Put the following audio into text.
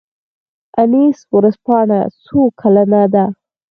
انیس ورځپاڼه څو کلنه ده؟